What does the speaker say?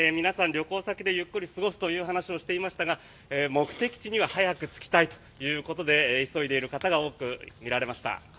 旅行先でゆっくり過ごすという話をしていましたが目的地には早く着きたいということで急いでいる方が多く見られました。